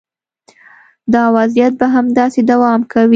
دا وضعیت به همداسې دوام کوي.